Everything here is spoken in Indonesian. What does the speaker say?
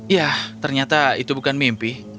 ya ternyata itu bukan mimpi